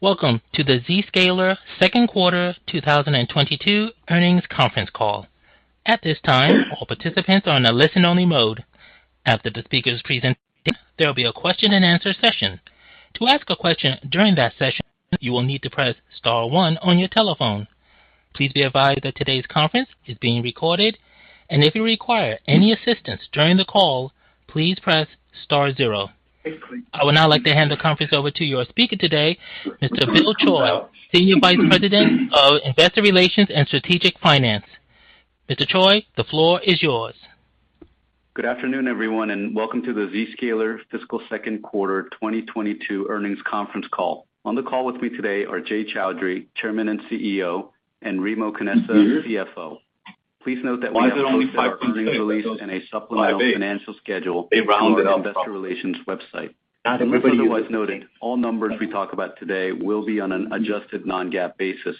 Welcome to the Zscaler Q2 2022 Earnings Conference Call. At this time, all participants are on a listen-only mode. After the speakers present, there will be a question and answer session. To ask a question during that session, you will need to press star one on your telephone. Please be advised that today's conference is being recorded, and if you require any assistance during the call, please press star zero. I would now like to hand the conference over to your speaker today, Mr. Bill Choi, Senior Vice President of Investor Relations and Strategic Finance. Mr. Choi, the floor is yours. Good afternoon, everyone, and welcome to the Zscaler Fiscal Q2 2022 earnings conference call. On the call with me today are Jay Chaudhry, Chairman and CEO, and Remo Canessa, CFO. Please note that we have posted our earnings release in a supplemental financial schedule on our investor relations website. As everybody has noted, all numbers we talk about today will be on an adjusted non-GAAP basis.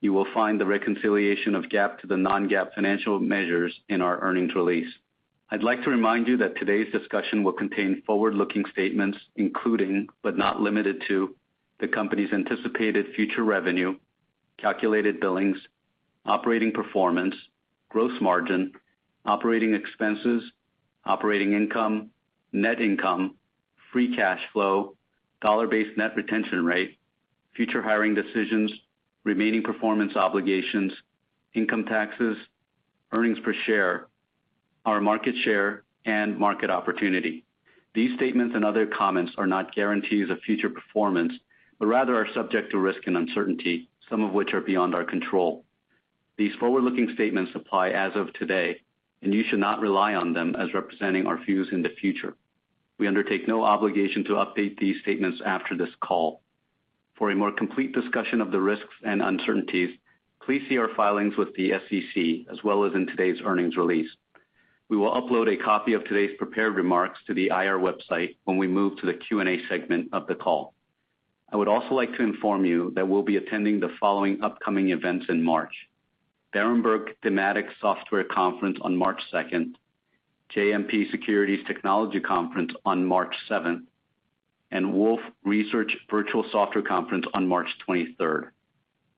You will find the reconciliation of GAAP to the non-GAAP financial measures in our earnings release. I'd like to remind you that today's discussion will contain forward-looking statements including, but not limited to, the company's anticipated future revenue, calculated billings, operating performance, gross margin, operating expenses, operating income, net income, free cash flow, dollar-based net retention rate, future hiring decisions, remaining performance obligations, income taxes, earnings per share, our market share and market opportunity. These statements and other comments are not guarantees of future performance, but rather are subject to risk and uncertainty, some of which are beyond our control. These forward-looking statements apply as of today, and you should not rely on them as representing our views in the future. We undertake no obligation to update these statements after this call. For a more complete discussion of the risks and uncertainties, please see our filings with the SEC as well as in today's earnings release. We will upload a copy of today's prepared remarks to the IR website when we move to the Q&A segment of the call. I would also like to inform you that we'll be attending the following upcoming events in March. Berenberg Thematic Software Conference on March 2nd, JMP Securities Technology Conference on March 7th, and Wolfe Research Virtual Software Conference on March 23rd.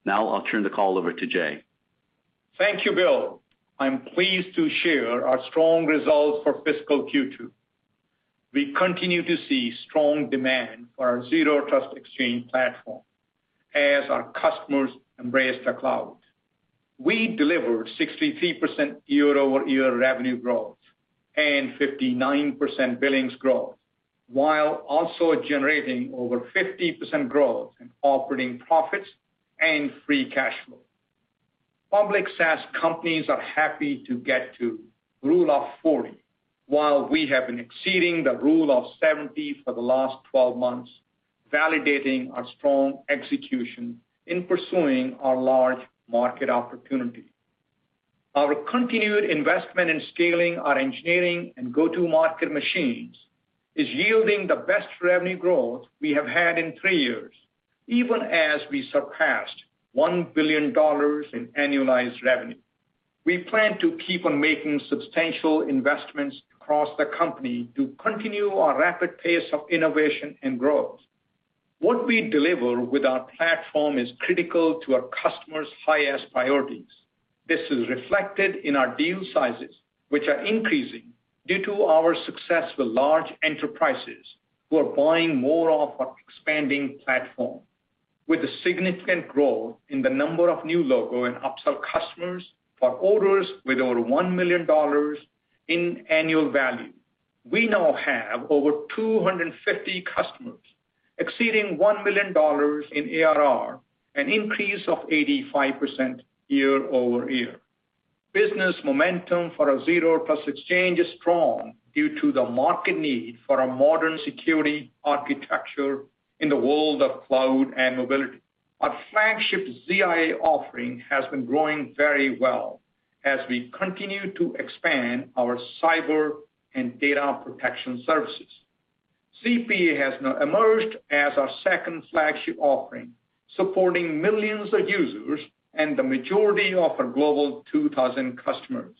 Now I'll turn the call over to Jay. Thank you, Bill. I'm pleased to share our strong results for fiscal Q2. We continue to see strong demand for our Zero Trust Exchange platform as our customers embrace the cloud. We delivered 63% year-over-year revenue growth and 59% billings growth while also generating over 50% growth in operating profits and free cash flow. Public SaaS companies are happy to get to rule of 40, while we have been exceeding the rule of 70 for the last 12 months, validating our strong execution in pursuing our large market opportunity. Our continued investment in scaling our engineering and go-to-market machines is yielding the best revenue growth we have had in three years, even as we surpassed $1 billion in annualized revenue. We plan to keep on making substantial investments across the company to continue our rapid pace of innovation and growth. What we deliver with our platform is critical to our customers' highest priorities. This is reflected in our deal sizes, which are increasing due to our success with large enterprises who are buying more of our expanding platform. With a significant growth in the number of new logo and upsell customers for orders with over $1 million in annual value, we now have over 250 customers exceeding $1 million in ARR, an increase of 85% year-over-year. Business momentum for our Zero Trust Exchange is strong due to the market need for a modern security architecture in the world of cloud and mobility. Our flagship ZIA offering has been growing very well as we continue to expand our cyber and data protection services. ZPA has now emerged as our second flagship offering, supporting millions of users and the majority of our global 2,000 customers.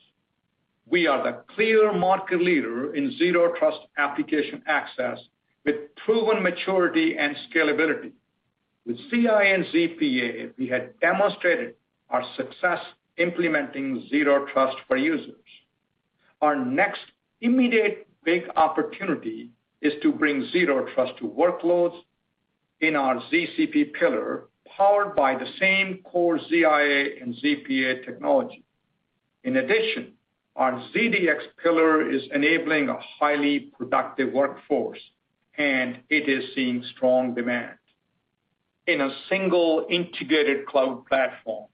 We are the clear market leader in Zero Trust application access with proven maturity and scalability. With ZIA and ZPA, we had demonstrated our success implementing Zero Trust for users. Our next immediate big opportunity is to bring Zero Trust to workloads in our ZCP pillar, powered by the same core ZIA and ZPA technology. In addition, our ZDX pillar is enabling a highly productive workforce, and it is seeing strong demand. In a single integrated cloud platform,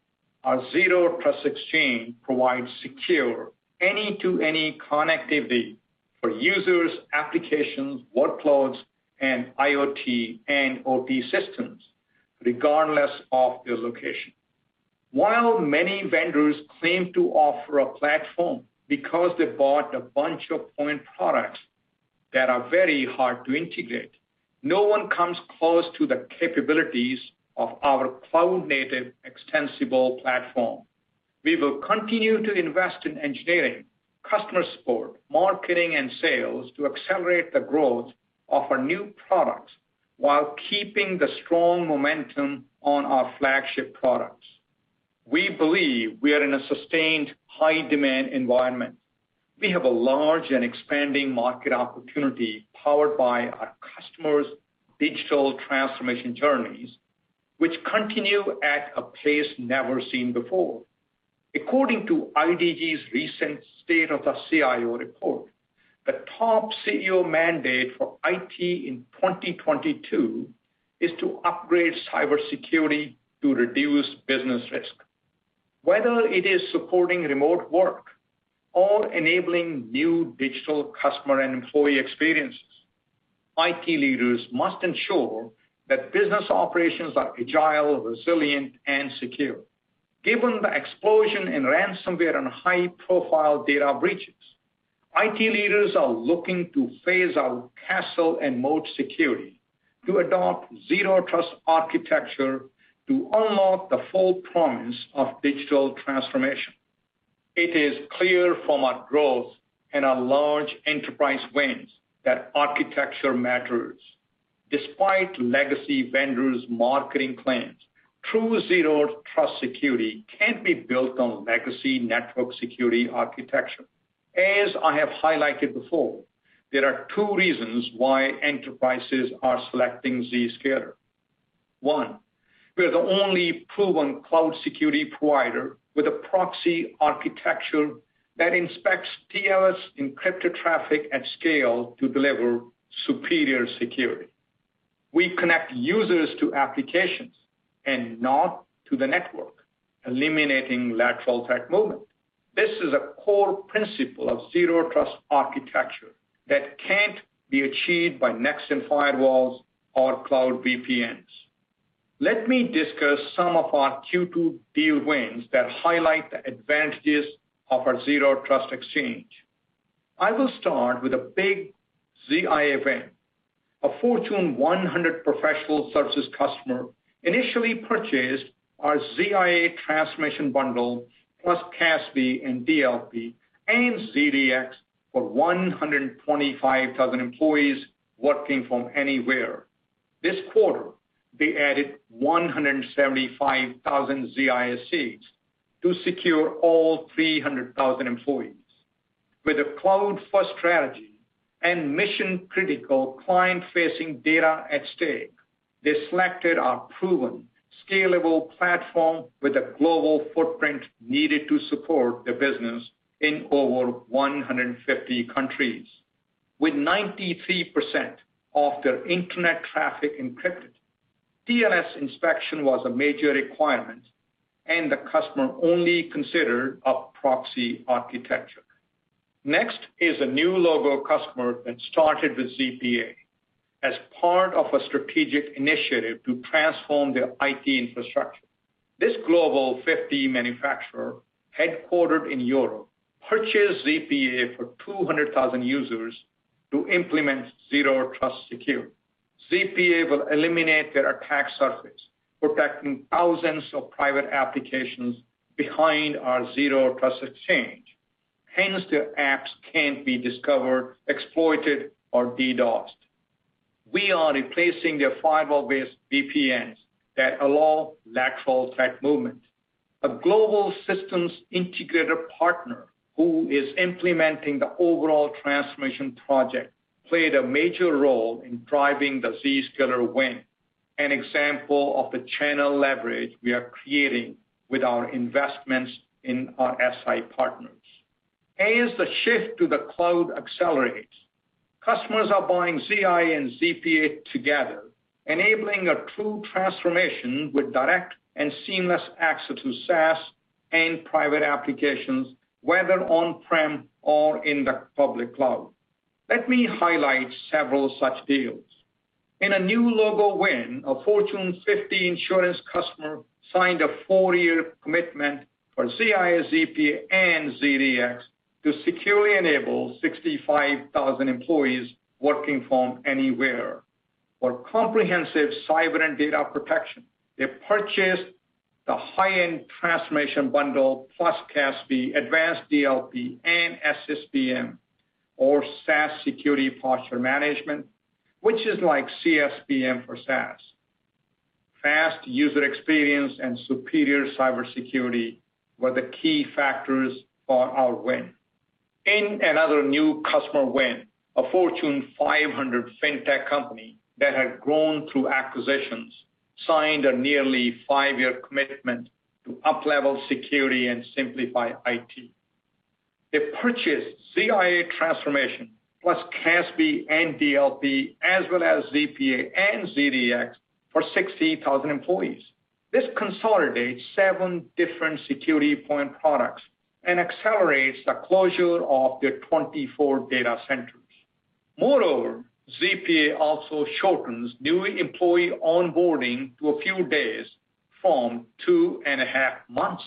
our Zero Trust Exchange provides secure any-to-any connectivity for users, applications, workloads, and IoT and OT systems, regardless of their location. While many vendors claim to offer a platform because they bought a bunch of point products that are very hard to integrate, no one comes close to the capabilities of our cloud-native extensible platform. We will continue to invest in engineering, customer support, marketing, and sales to accelerate the growth of our new products while keeping the strong momentum on our flagship products. We believe we are in a sustained high-demand environment. We have a large and expanding market opportunity powered by our customers' digital transformation journeys, which continue at a pace never seen before. According to IDG's recent State of the CIO report, the top CEO mandate for IT in 2022 is to upgrade cybersecurity to reduce business risk. Whether it is supporting remote work or enabling new digital customer and employee experiences, IT leaders must ensure that business operations are agile, resilient, and secure. Given the explosion in ransomware and high-profile data breaches, IT leaders are looking to phase out castle and moat security to adopt zero trust architecture to unlock the full promise of digital transformation. It is clear from our growth and our large enterprise wins that architecture matters. Despite legacy vendors' marketing claims, true zero trust security can't be built on legacy network security architecture. As I have highlighted before, there are two reasons why enterprises are selecting Zscaler. One, we are the only proven cloud security provider with a proxy architecture that inspects TLS encrypted traffic at scale to deliver superior security. We connect users to applications and not to the network, eliminating lateral threat movement. This is a core principle of zero trust architecture that can't be achieved by next-gen firewalls or cloud VPNs. Let me discuss some of our Q2 deal wins that highlight the advantages of our Zero Trust Exchange. I will start with a big ZIA win. A Fortune 100 professional services customer initially purchased our ZIA transformation bundle plus CASB and DLP and ZDX for 125,000 employees working from anywhere. This quarter, they added 175,000 seats to secure all 300,000 employees. With a cloud-first strategy and mission-critical client-facing data at stake, they selected our proven scalable platform with a global footprint needed to support their business in over 150 countries. With 93% of their internet traffic encrypted, TLS inspection was a major requirement, and the customer only considered a proxy architecture. Next is a new logo customer that started with ZPA as part of a strategic initiative to transform their IT infrastructure. This Global Fifty manufacturer, headquartered in Europe, purchased ZPA for 200,000 users to implement zero trust security. ZPA will eliminate their attack surface, protecting thousands of private applications behind our Zero Trust Exchange. Hence, their apps can't be discovered, exploited, or DDoSed. We are replacing their firewall-based VPNs that allow lateral threat movement. A global systems integrator partner who is implementing the overall transformation project played a major role in driving the Zscaler win, an example of the channel leverage we are creating with our investments in our SI partners. As the shift to the cloud accelerates, customers are buying ZIA and ZPA together, enabling a true transformation with direct and seamless access to SaaS and private applications, whether on-prem or in the public cloud. Let me highlight several such deals. In a new logo win, a Fortune 50 insurance customer signed a four-year commitment for ZIA, ZPA, and ZDX to securely enable 65,000 employees working from anywhere. For comprehensive cyber and data protection, they purchased the high-end transformation bundle plus CASB, advanced DLP, and SSPM or SaaS security posture management, which is like CSPM for SaaS. Fast user experience and superior cybersecurity were the key factors for our win. In another new customer win, a Fortune 500 fintech company that had grown through acquisitions signed a nearly five-year commitment to up-level security and simplify IT. They purchased ZIA transformation plus CASB and DLP, as well as ZPA and ZDX for 60,000 employees. This consolidates seven different security point products and accelerates the closure of their 24 data centers. Moreover, ZPA also shortens new employee onboarding to a few days from two and a half months.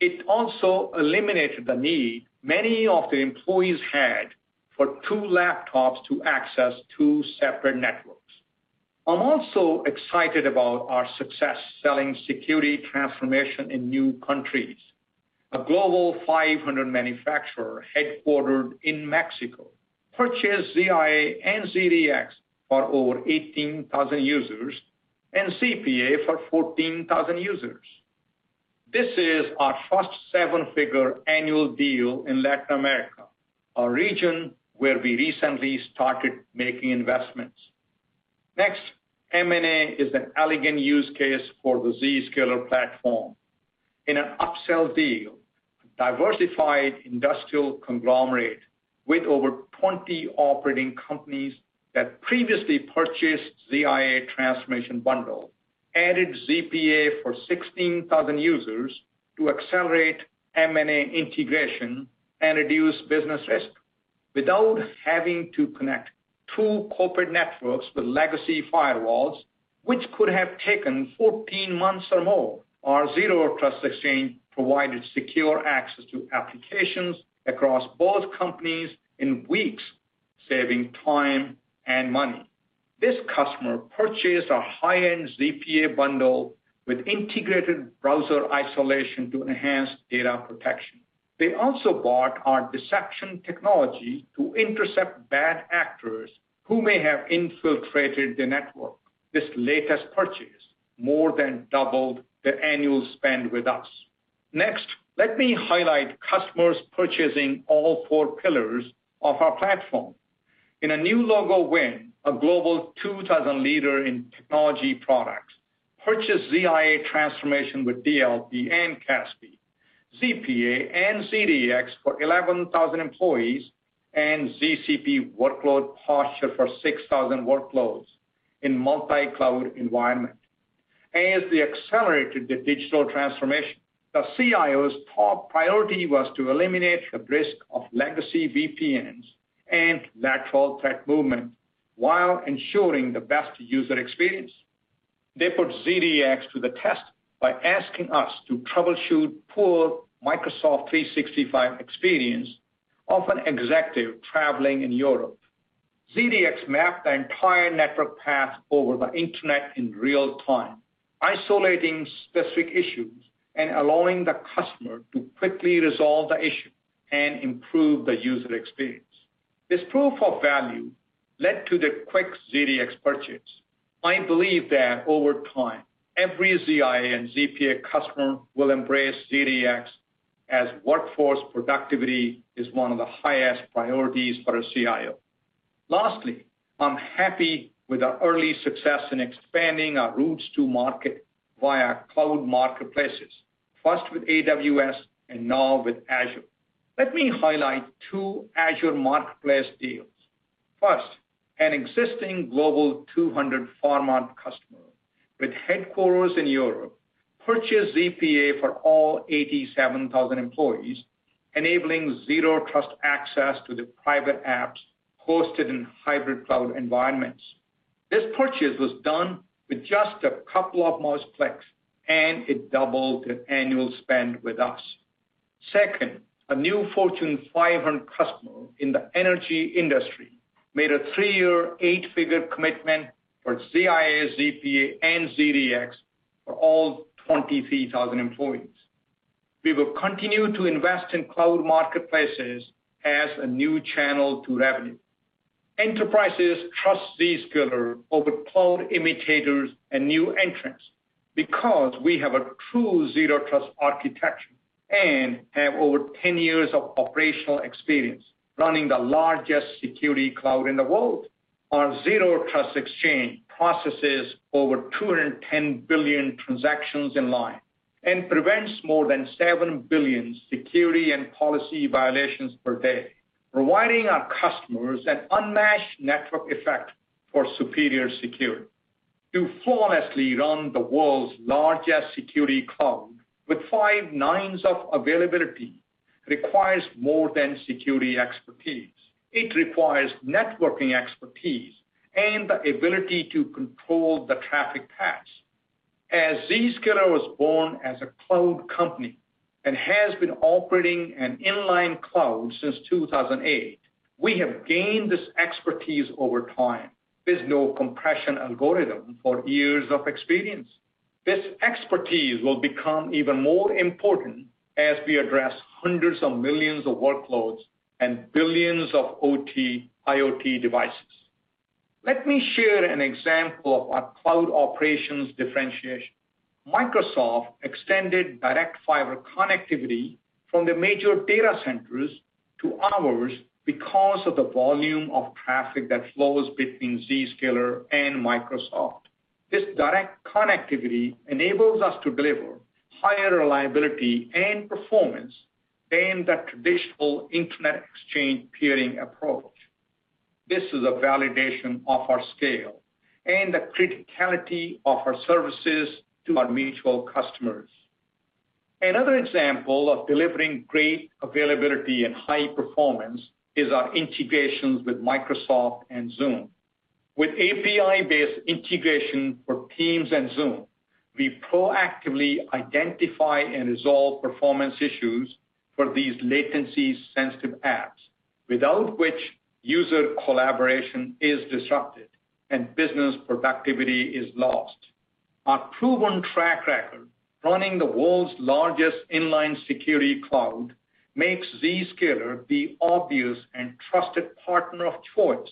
It also eliminated the need many of the employees had for two laptops to access two separate networks. I'm also excited about our success selling security transformation in new countries. A global 500 manufacturer headquartered in Mexico purchased ZIA and ZDX for over 18,000 users and ZPA for 14,000 users. This is our first seven-figure annual deal in Latin America, a region where we recently started making investments. Next, M&A is an elegant use case for the Zscaler platform. In an upsell deal, a diversified industrial conglomerate with over 20 operating companies that previously purchased ZIA transformation bundle added ZPA for 16,000 users to accelerate M&A integration and reduce business risk. Without having to connect two corporate networks with legacy firewalls, which could have taken 14 months or more, our Zero Trust Exchange provided secure access to applications across both companies in weeks, saving time and money. This customer purchased a high-end ZPA bundle with integrated browser isolation to enhance data protection. They also bought our deception technology to intercept bad actors who may have infiltrated the network. This latest purchase more than doubled their annual spend with us. Next, let me highlight customers purchasing all four pillars of our platform. In a new logo win, a global 2,000 leader in technology products purchased ZIA transformation with DLP and CASB, ZPA, and ZDX for 11,000 employees and ZCP workload posture for 6,000 workloads in multi-cloud environment. As they accelerated the digital transformation, the CIO's top priority was to eliminate the risk of legacy VPNs and lateral threat movement while ensuring the best user experience. They put ZDX to the test by asking us to troubleshoot poor Microsoft 365 experience of an executive traveling in Europe. ZDX mapped the entire network path over the Internet in real time, isolating specific issues and allowing the customer to quickly resolve the issue and improve the user experience. This proof of value led to the quick ZDX purchase. I believe that over time, every ZIA and ZPA customer will embrace ZDX as workforce productivity is one of the highest priorities for a CIO. Lastly, I'm happy with our early success in expanding our routes to market via cloud marketplaces, first with AWS and now with Azure. Let me highlight two Azure Marketplace deals. First, an existing global 200 pharma customer with headquarters in Europe purchased ZPA for all 87,000 employees, enabling Zero Trust access to the private apps hosted in hybrid cloud environments. This purchase was done with just a couple of mouse clicks, and it doubled their annual spend with us. Second, a new Fortune 500 customer in the energy industry made a three-year, eight-figure commitment for ZIA, ZPA, and ZDX for all 23,000 employees. We will continue to invest in cloud marketplaces as a new channel to revenue. Enterprises trust Zscaler over cloud imitators and new entrants because we have a true Zero Trust architecture and have over 10 years of operational experience running the largest security cloud in the world. Our Zero Trust Exchange processes over 210 billion transactions in line and prevents more than seven billion security and policy violations per day, providing our customers an unmatched network effect for superior security. To flawlessly run the world's largest security cloud with five nines of availability requires more than security expertise. It requires networking expertise and the ability to control the traffic paths. As Zscaler was born as a cloud company and has been operating an inline cloud since 2008, we have gained this expertise over time. There's no compression algorithm for years of experience. This expertise will become even more important as we address hundreds of millions of workloads and billions of OT/IoT devices. Let me share an example of our cloud operations differentiation. Microsoft extended direct fiber connectivity from their major data centers to ours because of the volume of traffic that flows between Zscaler and Microsoft. This direct connectivity enables us to deliver higher reliability and performance than the traditional internet exchange peering approach. This is a validation of our scale and the criticality of our services to our mutual customers. Another example of delivering great availability and high performance is our integrations with Microsoft and Zoom. With API-based integration for Teams and Zoom. We proactively identify and resolve performance issues for these latency sensitive apps, without which user collaboration is disrupted and business productivity is lost. Our proven track record running the world's largest inline security cloud makes Zscaler the obvious and trusted partner of choice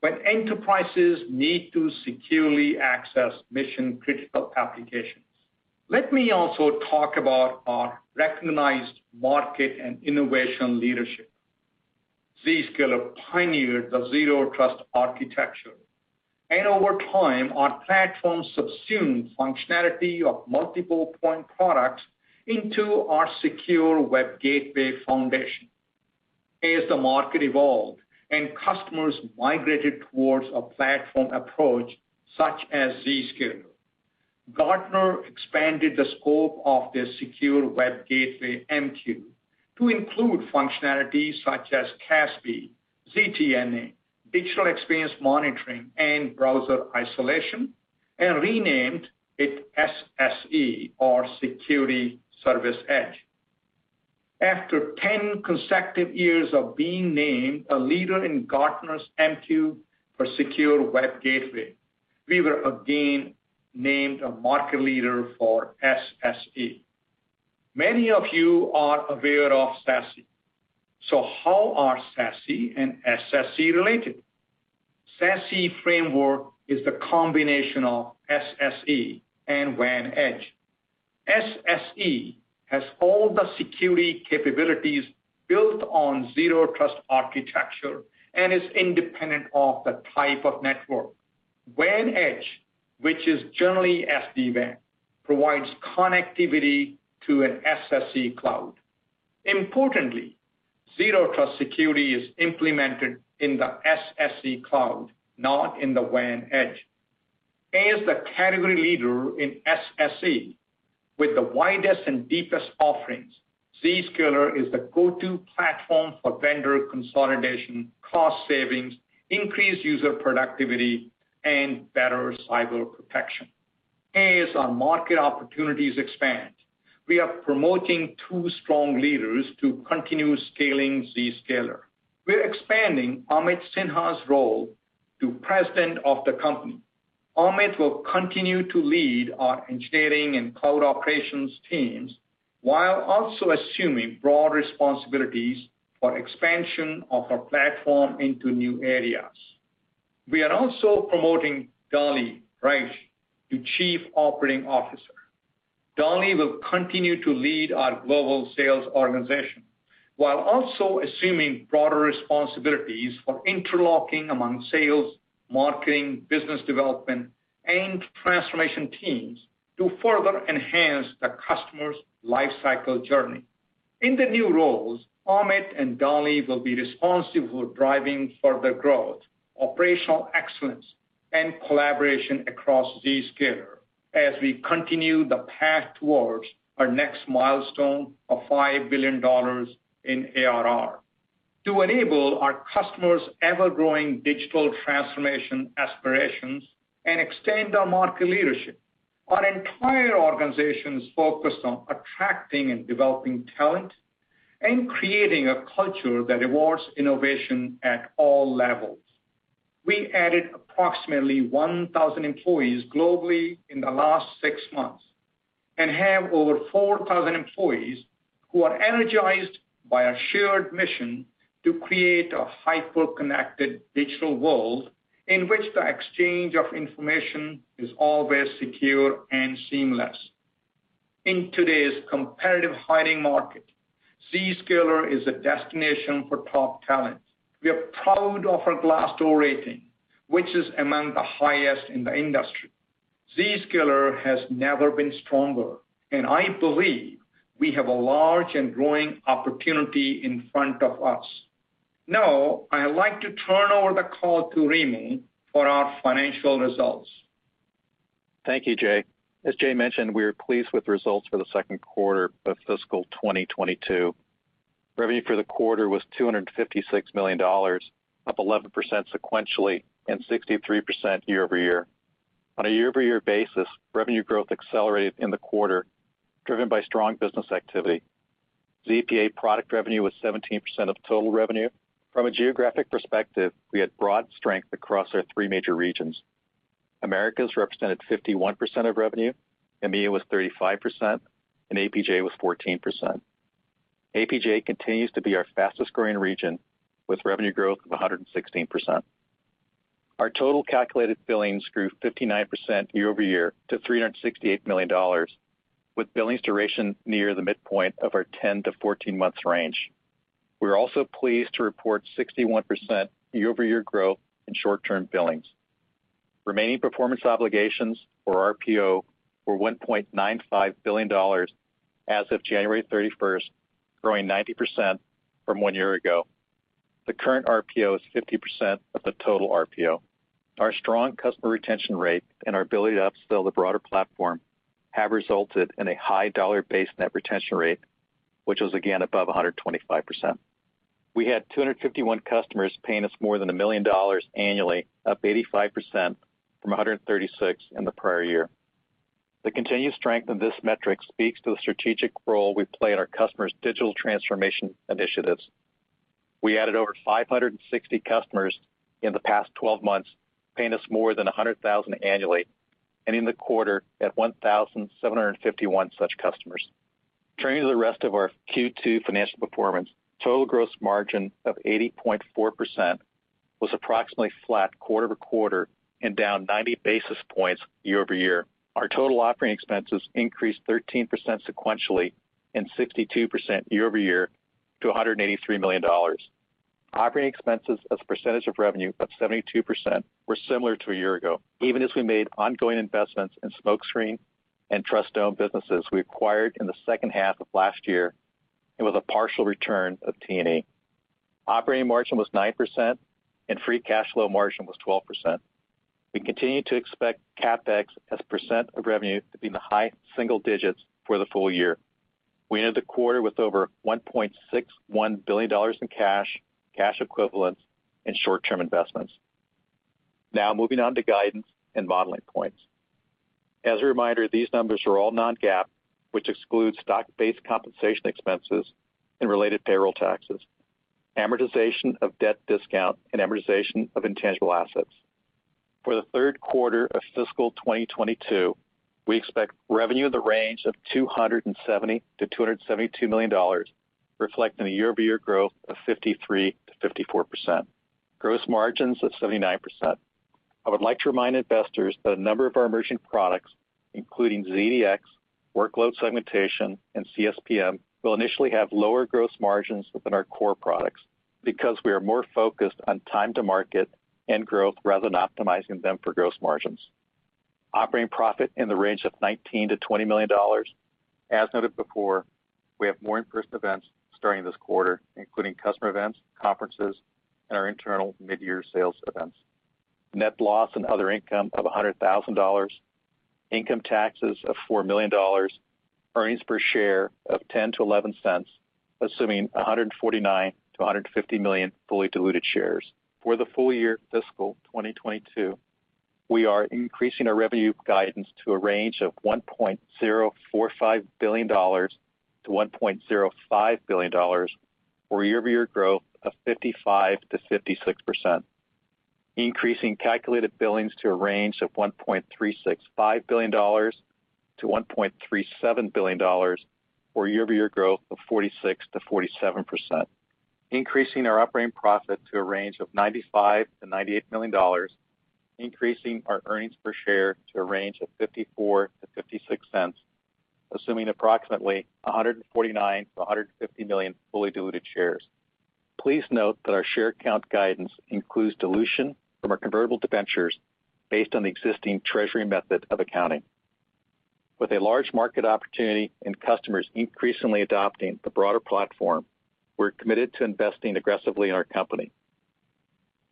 when enterprises need to securely access mission-critical applications. Let me also talk about our recognized market and innovation leadership. Zscaler pioneered the zero trust architecture. Over time, our platform subsumed functionality of multiple point products into our secure web gateway foundation. As the market evolved and customers migrated towards a platform approach such as Zscaler, Gartner expanded the scope of their secure web gateway MQ to include functionalities such as CASB, ZTNA, digital experience monitoring, and browser isolation, and renamed it SSE or Security Service Edge. After 10 consecutive years of being named a leader in Gartner's MQ for secure web gateway, we were again named a market leader for SSE. Many of you are aware of SASE. How are SASE and SSE related? SASE framework is the combination of SSE and WAN edge. SSE has all the security capabilities built on zero trust architecture and is independent of the type of network. WAN edge, which is generally SD-WAN, provides connectivity to an SSE cloud. Importantly, zero trust security is implemented in the SSE cloud, not in the WAN edge. As the category leader in SSE with the widest and deepest offerings, Zscaler is the go-to platform for vendor consolidation, cost savings, increased user productivity, and better cyber protection. As our market opportunities expand, we are promoting two strong leaders to continue scaling Zscaler. We're expanding Amit Sinha's role to President of the company. Amit will continue to lead our engineering and cloud operations teams, while also assuming broad responsibilities for expansion of our platform into new areas. We are also promoting Dali Rajic to Chief Operating Officer. Dali will continue to lead our global sales organization, while also assuming broader responsibilities for interlocking among sales, marketing, business development, and transformation teams to further enhance the customer's life cycle journey. In the new roles, Amit and Dali will be responsible for driving further growth, operational excellence, and collaboration across Zscaler as we continue the path towards our next milestone of $5 billion in ARR. To enable our customers' ever-growing digital transformation aspirations and extend our market leadership, our entire organization is focused on attracting and developing talent and creating a culture that rewards innovation at all levels. We added approximately 1,000 employees globally in the last six months and have over 4,000 employees who are energized by a shared mission to create a hyper-connected digital world in which the exchange of information is always secure and seamless. In today's competitive hiring market, Zscaler is a destination for top talent. We are proud of our Glassdoor rating, which is among the highest in the industry. Zscaler has never been stronger, and I believe we have a large and growing opportunity in front of us. Now, I'd like to turn over the call to Remo for our financial results. Thank you, Jay. As Jay mentioned, we are pleased with the results for the Q2 of fiscal 2022. Revenue for the quarter was $256 million, up 11% sequentially and 63% year-over-year. On a year-over-year basis, revenue growth accelerated in the quarter, driven by strong business activity. ZPA product revenue was 17% of total revenue. From a geographic perspective, we had broad strength across our three major regions. Americas represented 51% of revenue, EMEA was 35%, and APJ was 14%. APJ continues to be our fastest-growing region, with revenue growth of 116%. Our total calculated billings grew 59% year-over-year to $368 million, with billings duration near the midpoint of our 10-14 months range. We are also pleased to report 61% year-over-year growth in short-term billings. Remaining performance obligations or RPO were $1.95 billion as of January 31, growing 90% from one year ago. The current RPO is 50% of the total RPO. Our strong customer retention rate and our ability to upsell the broader platform have resulted in a high dollar-based net retention rate, which was again above 125%. We had 251 customers paying us more than $1 million annually, up 85% from 136 in the prior year. The continued strength of this metric speaks to the strategic role we play in our customers' digital transformation initiatives. We added over 560 customers in the past 12 months, paying us more than $100,000 annually, ending the quarter at 1,751 such customers. Turning to the rest of our Q2 financial performance, total gross margin of 80.4% was approximately flat quarter-over-quarter and down 90 basis points year-over-year. Our total operating expenses increased 13% sequentially and 62% year-over-year to $183 million. Operating expenses as a percentage of revenue of 72% were similar to a year ago, even as we made ongoing investments in Smokescreen and Trustdome businesses we acquired in the H2 of last year and with a partial return of T&E. Operating margin was 9%, and free cash flow margin was 12%. We continue to expect CapEx as a percent of revenue to be in the high single digits for the full year. We ended the quarter with over $1.61 billion in cash equivalents, and short-term investments. Now moving on to guidance and modeling points. As a reminder, these numbers are all non-GAAP, which excludes stock-based compensation expenses and related payroll taxes, amortization of debt discount, and amortization of intangible assets. For the third quarter of fiscal 2022, we expect revenue in the range of $270 million-$272 million, reflecting a year-over-year growth of 53%-54%. Gross margins of 79%. I would like to remind investors that a number of our emerging products, including ZDX, workload segmentation, and CSPM, will initially have lower gross margins within our core products because we are more focused on time to market and growth rather than optimizing them for gross margins. Operating profit in the range of $19 million-$20 million. As noted before, we have more in-person events starting this quarter, including customer events, conferences, and our internal mid-year sales events. Net loss and other income of $100,000. Income taxes of $4 million. Earnings per share of $0.10-$0.11, assuming 149 million-150 million fully diluted shares. For the full year fiscal 2022, we are increasing our revenue guidance to a range of $1.045 billion-$1.05 billion, or 55%-56% year-over-year growth. We are increasing calculated billings to a range of $1.365 billion-$1.37 billion, or 46%-47% year-over-year growth. We are increasing our operating profit to a range of $95 million-$98 million. We are increasing our earnings per share to a range of $0.54-$0.56, assuming approximately 149 million-150 million fully diluted shares. Please note that our share count guidance includes dilution from our convertible debentures based on the existing treasury method of accounting. With a large market opportunity and customers increasingly adopting the broader platform, we're committed to investing aggressively in our company.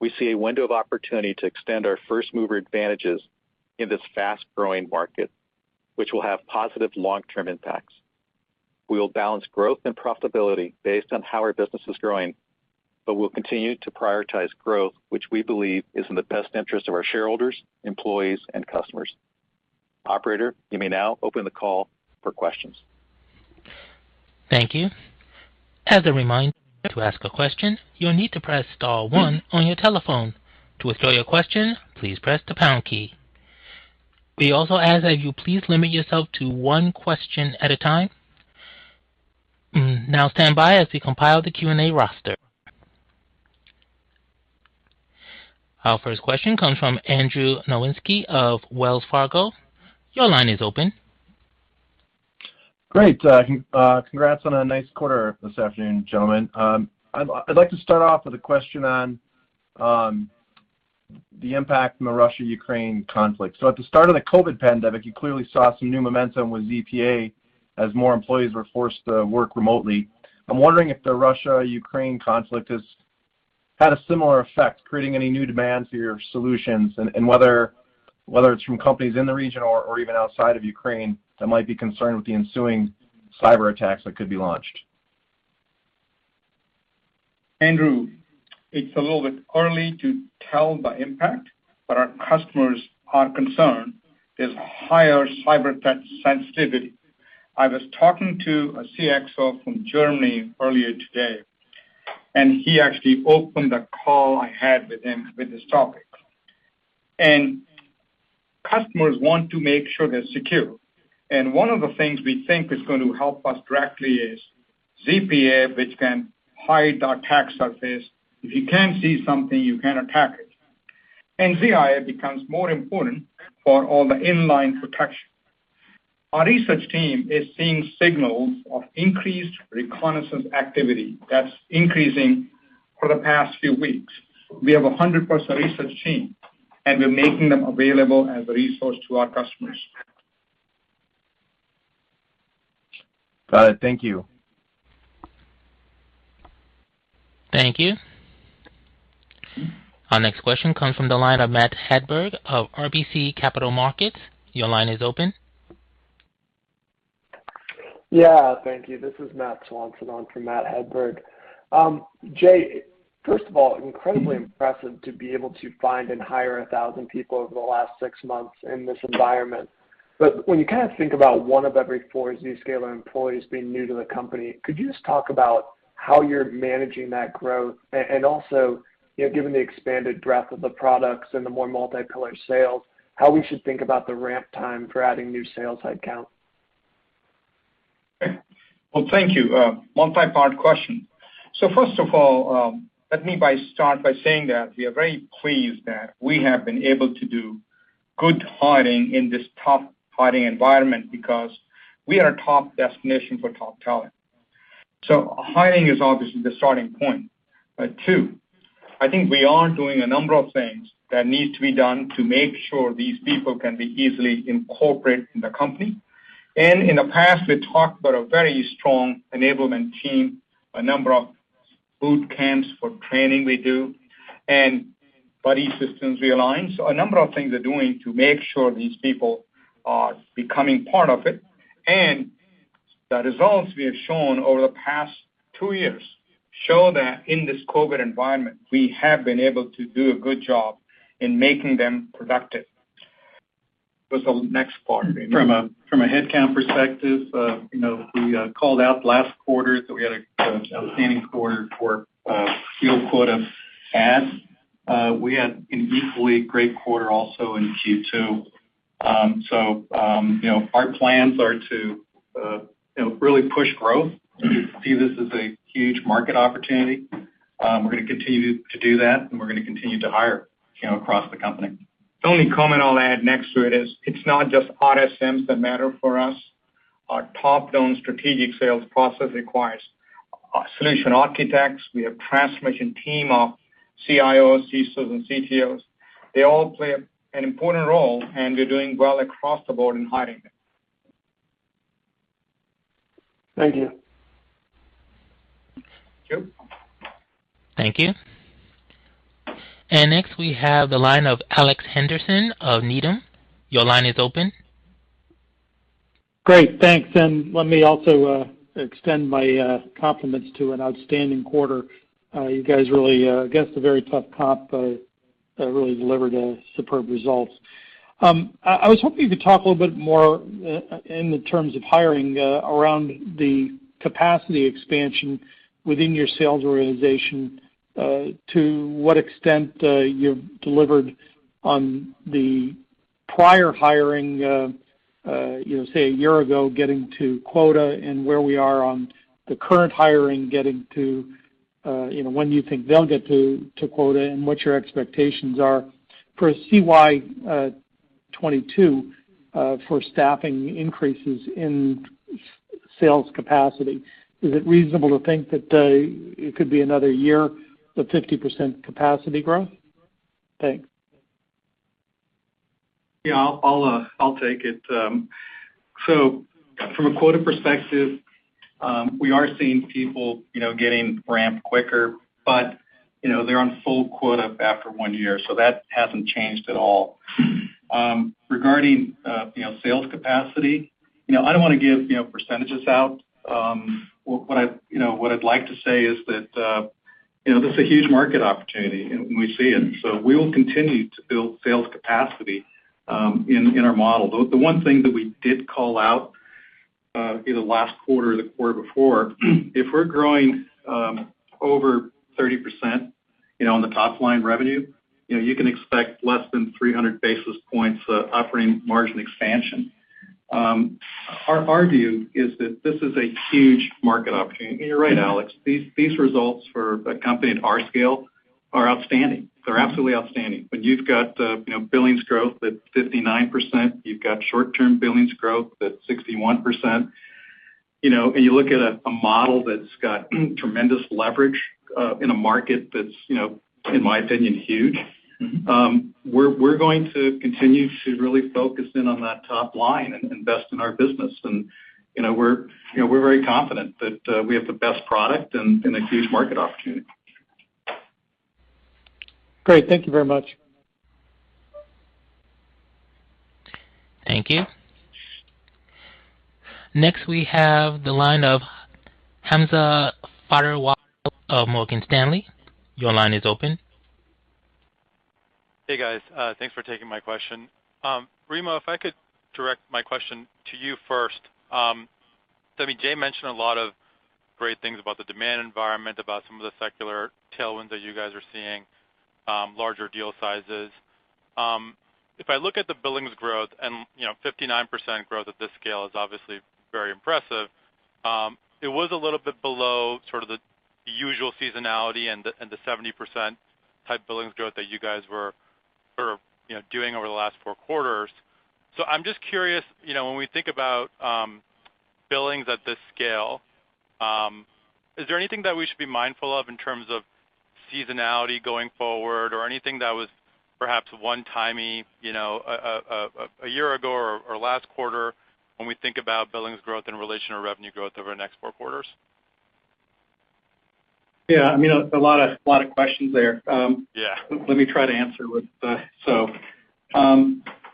We see a window of opportunity to extend our first-mover advantages in this fast-growing market, which will have positive long-term impacts. We will balance growth and profitability based on how our business is growing, but we'll continue to prioritize growth, which we believe is in the best interest of our shareholders, employees, and customers. Operator, you may now open the call for questions. Thank you. As a reminder, to ask a question, you'll need to press star one on your telephone. To withdraw your question, please press the pound key. We also ask that you please limit yourself to one question at a time. Now stand by as we compile the Q&A roster. Our first question comes from Andrew Nowinski of Wells Fargo. Your line is open. Great. Congrats on a nice quarter this afternoon, gentlemen. I'd like to start off with a question on the impact from the Russia-Ukraine conflict. At the start of the COVID pandemic, you clearly saw some new momentum with ZPA as more employees were forced to work remotely. I'm wondering if the Russia-Ukraine conflict has had a similar effect, creating any new demands for your solutions and whether it's from companies in the region or even outside of Ukraine that might be concerned with the ensuing cyberattacks that could be launched. Andrew, it's a little bit early to tell the impact, but our customers are concerned. There's higher cyberattack sensitivity. I was talking to a CXO from Germany earlier today, and he actually opened a call I had with him with this topic. Customers want to make sure they're secure. One of the things we think is going to help us directly is ZPA, which can hide our attack surface. If you can't see something, you can't attack it. ZIA becomes more important for all the inline protection. Our research team is seeing signals of increased reconnaissance activity that's increasing for the past few weeks. We have a 100% research team, and we're making them available as a resource to our customers. Got it. Thank you. Thank you. Our next question comes from the line of Matt Hedberg of RBC Capital Markets. Your line is open. Yeah. Thank you. This is Matt Swanson on for Matt Hedberg. Jay, first of all, incredibly impressive to be able to find and hire 1,000 people over the last six months in this environment. When you kind of think about one of every four Zscaler employees being new to the company, could you just talk about how you're managing that growth and also, you know, given the expanded breadth of the products and the more multi-cloud sales, how we should think about the ramp time for adding new sales headcount? Well, thank you. Multi-part question. First of all, let me start by saying that we are very pleased that we have been able to do good hiring in this tough hiring environment because we are a top destination for top talent. Hiring is obviously the starting point. Two, I think we are doing a number of things that need to be done to make sure these people can be easily incorporate in the company. In the past, we talked about a very strong enablement team, a number of boot camps for training we do, and buddy systems we align. A number of things we're doing to make sure these people are becoming part of it. The results we have shown over the past two years show that in this COVID environment, we have been able to do a good job in making them productive. Next part. From a headcount perspective, you know, we called out last quarter that we had an outstanding quarter for field quota add. We had an equally great quarter also in Q2. You know, our plans are to really push growth. We see this as a huge market opportunity. We're gonna continue to do that, and we're gonna continue to hire, you know, across the company. The only comment I'll add next to it is it's not just RSMs that matter for us. Our top-down strategic sales process requires solution architects. We have transformation team of CIOs, CISOs and CTOs. They all play an important role, and we're doing well across the board in hiring them. Thank you. Thank you. Thank you. Next, we have the line of Alex Henderson of Needham. Your line is open. Great, thanks. Let me also extend my compliments to an outstanding quarter. You guys really against a very tough comp really delivered superb results. I was hoping you could talk a little bit more in terms of hiring around the capacity expansion within your sales organization to what extent you've delivered on the prior hiring you know say a year ago getting to quota and where we are on the current hiring getting to you know when you think they'll get to quota and what your expectations are for CY 2022 for staffing increases in sales capacity. Is it reasonable to think that it could be another year of 50% capacity growth? Thanks. Yeah, I'll take it. From a quota perspective, we are seeing people, you know, getting ramped quicker, but, you know, they're on full quota after one year, so that hasn't changed at all. Regarding, you know, sales capacity, you know, I don't wanna give, you know, percentages out. What I'd like to say is that, you know, this is a huge market opportunity, and we see it, so we will continue to build sales capacity, in our model. The one thing that we did call out, either last quarter or the quarter before, if we're growing, over 30%, you know, on the top line revenue, you know, you can expect less than 300 basis points of operating margin expansion. Our view is that this is a huge market opportunity. You're right, Alex, these results for a company at our scale are outstanding. They're absolutely outstanding. When you've got billings growth at 59%, you've got short-term billings growth at 61%, and you look at a model that's got tremendous leverage in a market that's in my opinion huge. Mm-hmm. We're going to continue to really focus in on that top line and invest in our business. You know, we're very confident that we have the best product and a huge market opportunity. Great. Thank you very much. Thank you. Next, we have the line of Hamza Fodderwala of Morgan Stanley. Your line is open. Hey, guys. Thanks for taking my question. Remo, if I could direct my question to you first. I mean, Jay Chaudhry mentioned a lot of great things about the demand environment, about some of the secular tailwinds that you guys are seeing, larger deal sizes. If I look at the billings growth and, you know, 59% growth at this scale is obviously very impressive, it was a little bit below sort of the usual seasonality and the 70% type billings growth that you guys were, you know, doing over the last four quarters. I'm just curious, you know, when we think about billings at this scale, is there anything that we should be mindful of in terms of seasonality going forward or anything that was perhaps one-timey, you know, a year ago or last quarter when we think about billings growth in relation to revenue growth over the next four quarters? Yeah, I mean, a lot of questions there. Yeah. Let me try to answer.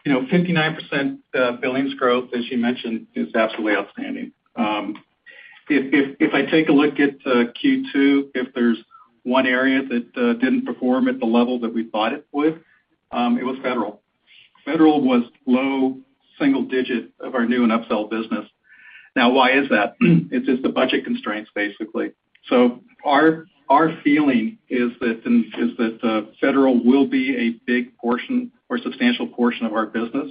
You know, 59% billings growth, as you mentioned, is absolutely outstanding. If I take a look at Q2, if there's one area that didn't perform at the level that we thought it would, it was federal. Federal was low single digit of our new and upsell business. Now, why is that? It's just the budget constraints, basically. Our feeling is that federal will be a big portion or substantial portion of our business.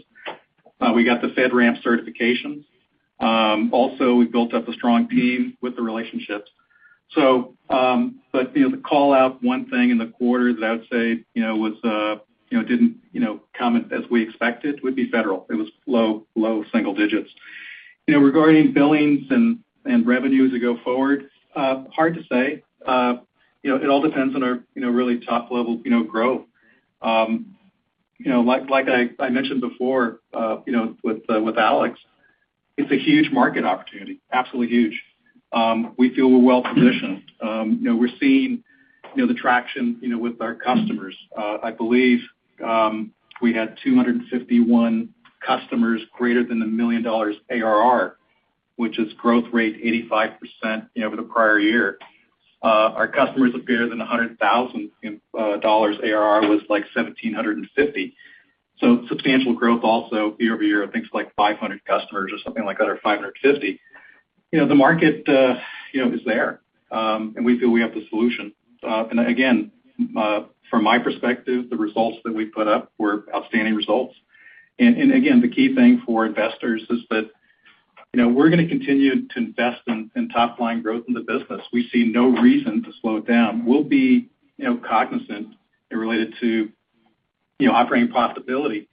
We got the FedRAMP certifications. Also, we've built up a strong team with the relationships. You know, to call out one thing in the quarter that I would say you know didn't come as we expected would be federal. It was low single digits. You know, regarding billings and revenues to go forward, hard to say. You know, it all depends on our really top level growth. You know, like I mentioned before, you know, with Alex, it's a huge market opportunity. Absolutely huge. We feel we're well positioned. You know, we're seeing the traction you know, with our customers. I believe we had 251 customers greater than $1 million ARR, which is growth rate 85% you know, over the prior year. Our customers with greater than $100,000 ARR was, like, 1,750. Substantial growth also year over year. I think it's like 500 customers or something like that, or 550. You know, the market, you know, is there, and we feel we have the solution. Again, from my perspective, the results that we put up were outstanding results. Again, the key thing for investors is that, you know, we're gonna continue to invest in top line growth in the business. We see no reason to slow it down. We'll be, you know, cognizant and related to, you know, operating profitability.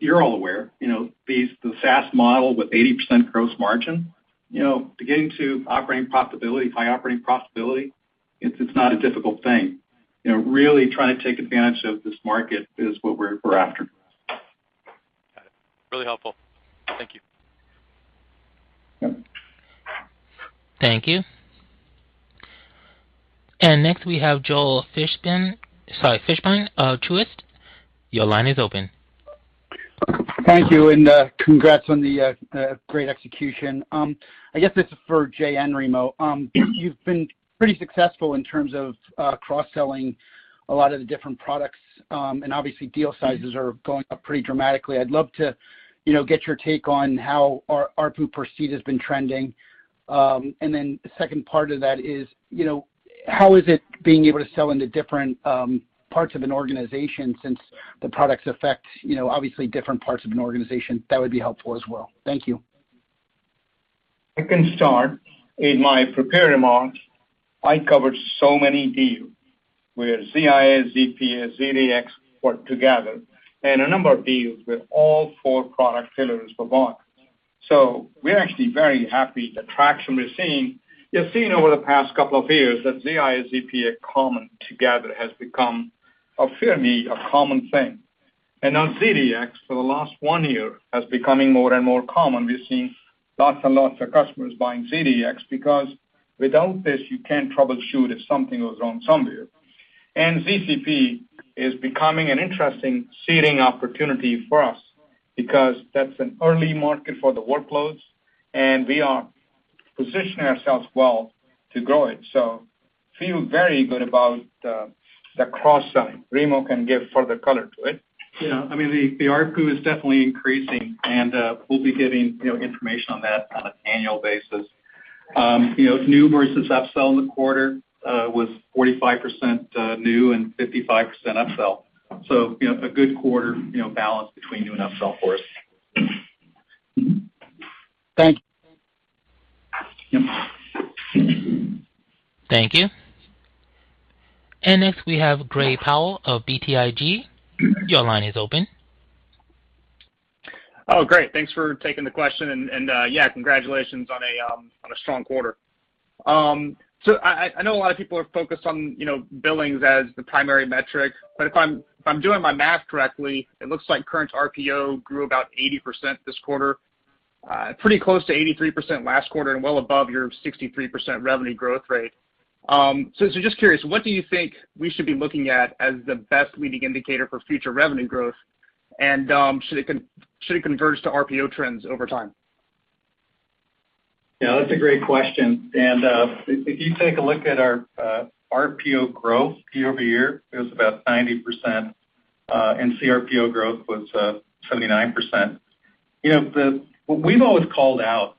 You're all aware, you know, these, the SaaS model with 80% gross margin, you know, getting to operating profitability, high operating profitability, it's not a difficult thing. You know, really trying to take advantage of this market is what we're after. Got it. Really helpful. Thank you. Thank you. Next we have Joel Fishbein of Truist. Your line is open. Thank you, and congrats on the great execution. I guess this is for Jay and Remo. You've been pretty successful in terms of cross-selling a lot of the different products, and obviously deal sizes are going up pretty dramatically. I'd love to, you know, get your take on how our ARPU per seat has been trending. Then the second part of that is, you know, how is it being able to sell into different parts of an organization since the products affect, you know, obviously different parts of an organization? That would be helpful as well. Thank you. I can start. In my prepared remarks, I covered so many deals where ZIA, ZPA, ZDX work together, and a number of deals with all four product pillars were bought. We're actually very happy. The traction we're seeing, you've seen over the past couple of years that ZIA, ZPA come together has become a fairly a common thing. Now ZDX for the last one year has becoming more and more common. We're seeing lots and lots of customers buying ZDX because without this you can't troubleshoot if something goes wrong somewhere. ZCP is becoming an interesting seeding opportunity for us because that's an early market for the workloads, and we are positioning ourselves well to grow it. Feel very good about the cross-selling. Remo can give further color to it. Yeah. I mean, the ARPU is definitely increasing, and we'll be giving, you know, information on that on an annual basis. You know, new versus upsell in the quarter was 45% new and 55% upsell. You know, a good quarter, you know, balance between new and upsell for us. Thank you. Yep. Thank you. Next we have Gray Powell of BTIG. Your line is open. Oh, great. Thanks for taking the question. Yeah, congratulations on a strong quarter. I know a lot of people are focused on, you know, billings as the primary metric, but if I'm doing my math correctly, it looks like current RPO grew about 80% this quarter, pretty close to 83% last quarter and well above your 63% revenue growth rate. Just curious, what do you think we should be looking at as the best leading indicator for future revenue growth? Should it converge to RPO trends over time? Yeah, that's a great question. If you take a look at our RPO growth year-over-year, it was about 90%, and CRPO growth was 79%. You know, we've always called out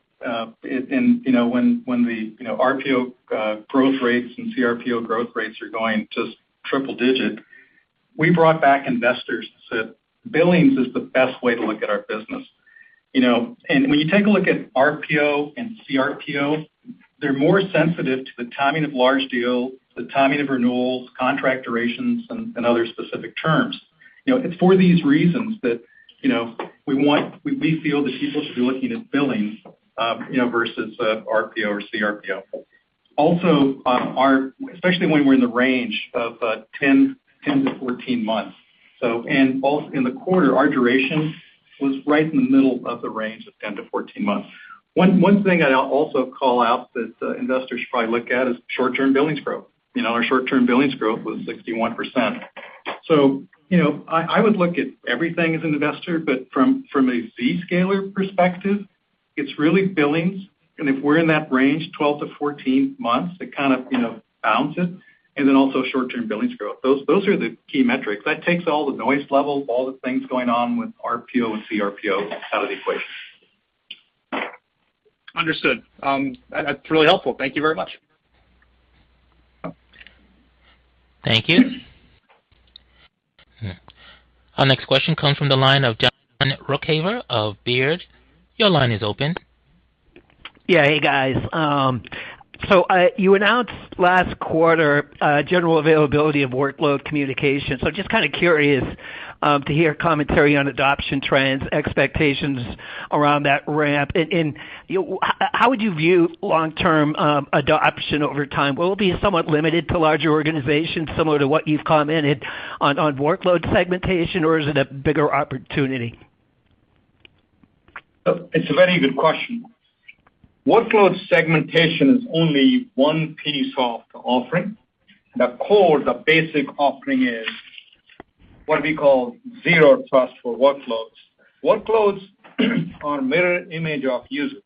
in you know when the you know RPO growth rates and CRPO growth rates are going just triple-digit, we brought back investors to billings is the best way to look at our business. You know, when you take a look at RPO and CRPO, they're more sensitive to the timing of large deals, the timing of renewals, contract durations, and other specific terms. You know, it's for these reasons that you know we feel that people should be looking at billings you know versus RPO or CRPO. Especially when we're in the range of 10-14 months. In the quarter, our duration was right in the middle of the range of 10-14 months. One thing I'd also call out that investors should probably look at is short-term billings growth. You know, our short-term billings growth was 61%. You know, I would look at everything as an investor, but from a Zscaler perspective, it's really billings. If we're in that range, 12-14 months, it kind of, you know, balances, and then also short-term billings growth. Those are the key metrics. That takes all the noise, all the things going on with RPO and CRPO out of the equation. Understood. That's really helpful. Thank you very much. Thank you. Our next question comes from the line of Jonathan Ruykhaver of Baird. Your line is open. Yeah. Hey, guys. You announced last quarter general availability of workload communication. Just kinda curious to hear commentary on adoption trends, expectations around that ramp. How would you view long-term adoption over time? Will it be somewhat limited to larger organizations, similar to what you've commented on workload segmentation, or is it a bigger opportunity? It's a very good question. Workload segmentation is only one piece of the offering. The core, the basic offering is what we call zero trust for workloads. Workloads are mirror image of users.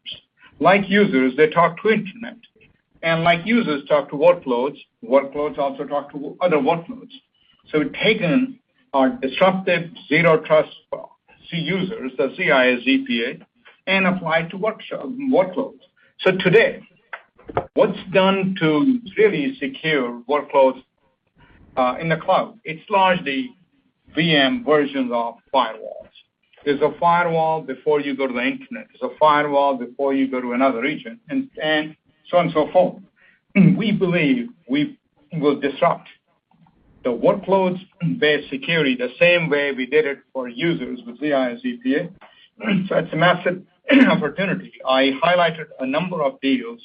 Like users, they talk to internet. Like users talk to workloads also talk to other workloads. We've taken our disruptive zero trust to users, the ZPA, and applied to workload workloads. Today, what's done to really secure workloads in the cloud? It's largely VM versions of firewalls. There's a firewall before you go to the internet. There's a firewall before you go to another region, and so on and so forth. We believe we will disrupt the workloads-based security the same way we did it for users with ZPA. It's a massive opportunity. I highlighted a number of deals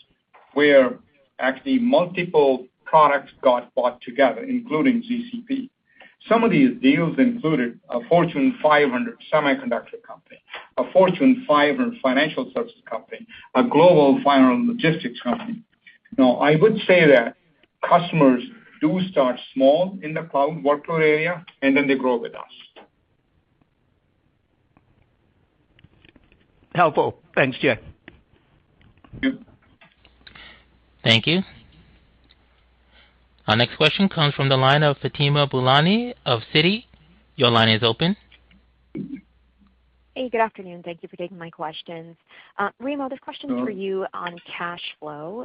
where actually multiple products got bought together, including GCP. Some of these deals included a Fortune 500 semiconductor company, a Fortune 500 financial services company, a global firearm logistics company. Now, I would say that customers do start small in the cloud workload area, and then they grow with us. Helpful. Thanks, Jay. Thank you. Our next question comes from the line of Fatima Boolani of Citi. Your line is open. Hey, good afternoon. Thank you for taking my questions. Remo, this question is for you on cash flow.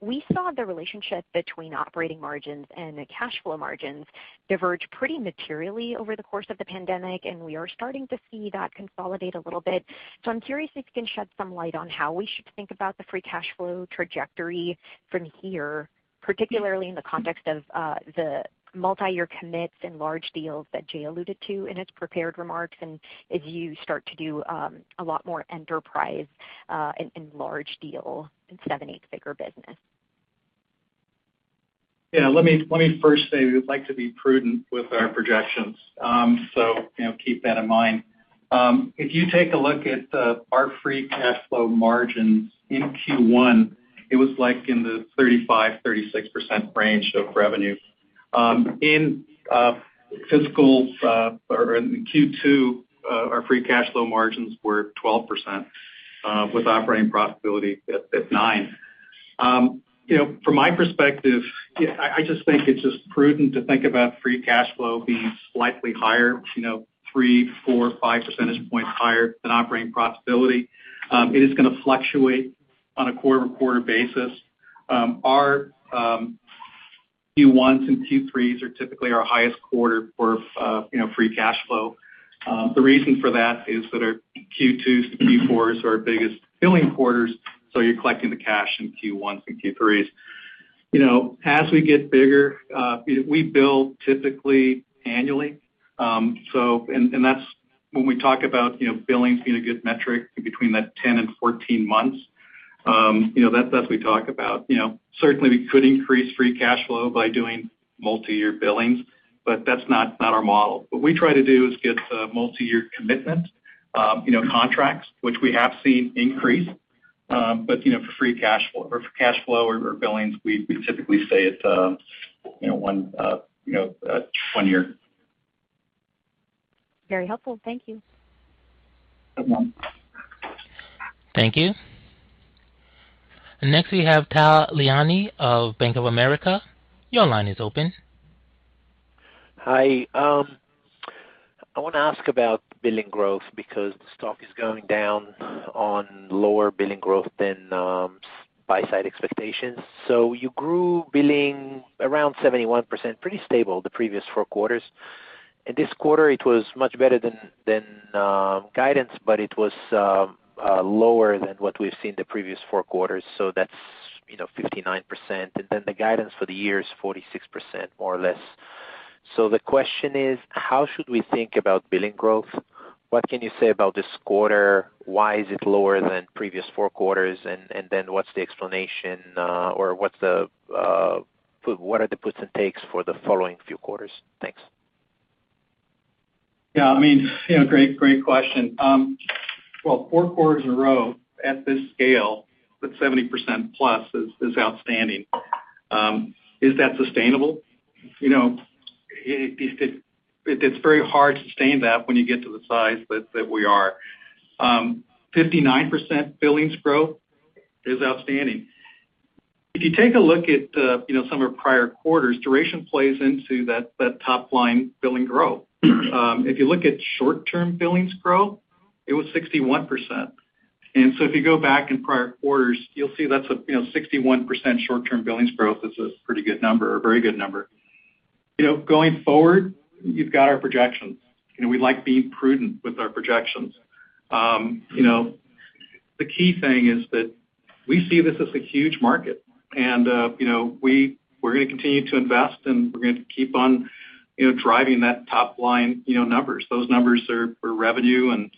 We saw the relationship between operating margins and the cash flow margins diverge pretty materially over the course of the pandemic, and we are starting to see that consolidate a little bit. I'm curious if you can shed some light on how we should think about the free cash flow trajectory from here, particularly in the context of the multi-year commits and large deals that Jay alluded to in his prepared remarks, and as you start to do a lot more enterprise and large deal in seven-figure business. Let me first say we'd like to be prudent with our projections. Keep that in mind. If you take a look at our free cash flow margins in Q1, it was like in the 35%-36% range of revenue. In Q2, our free cash flow margins were 12%, with operating profitability at 9%. From my perspective, I just think it's prudent to think about free cash flow being slightly higher, you know, 3, 4, 5 percentage points higher than operating profitability. It is gonna fluctuate on a quarter-to-quarter basis. Our Q1s and Q3s are typically our highest quarter for, you know, free cash flow. The reason for that is that our Q2s to Q4s are our biggest billing quarters, so you're collecting the cash in Q1s and Q3s. You know, as we get bigger, we bill typically annually. That's when we talk about, you know, billings being a good metric between that 10 and 14 months. You know, that's what we talk about. You know, certainly we could increase free cash flow by doing multi-year billings, but that's not our model. What we try to do is get multi-year commitment, you know, contracts, which we have seen increase. You know, for free cash flow or for cash flow or billings, we typically say it's one year. Very helpful. Thank you. You're welcome. Thank you. Next, we have Tal Liani of Bank of America. Your line is open. Hi. I want to ask about billing growth because the stock is going down on lower billing growth than buy-side expectations. You grew billing around 71%, pretty stable the previous four quarters. In this quarter, it was much better than guidance, but it was lower than what we've seen the previous four quarters. That's, you know, 59%. Then the guidance for the year is 46%, more or less. The question is, how should we think about billing growth? What can you say about this quarter? Why is it lower than previous four quarters? Then what's the explanation, or what are the puts and takes for the following few quarters? Thanks. Yeah, I mean, you know, great question. Well, four quarters in a row at this scale with 70%+ is outstanding. Is that sustainable? You know, it's very hard to sustain that when you get to the size that we are. 59% billings growth is outstanding. If you take a look at, you know, some of our prior quarters, duration plays into that top line billing growth. If you look at short-term billings growth, it was 61%. If you go back in prior quarters, you'll see that's a, you know, 61% short-term billings growth is a pretty good number, a very good number. You know, going forward, you've got our projections, and we like being prudent with our projections. You know, the key thing is that we see this as a huge market, and you know, we're gonna continue to invest, and we're going to keep on, you know, driving that top line, you know, numbers. Those numbers are for revenue and